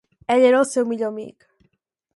Ell era el seu millor amic.